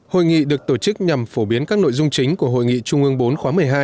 hội nghị được tổ chức nhằm phổ biến các nội dung chính của hội nghị trung ương bốn khóa một mươi hai